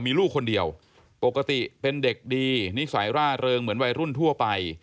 มีลูกคนเดียวปกติเป็นเด็กดีนิสัยร่าเริงเหมือนวัยรุ่นทั่วไป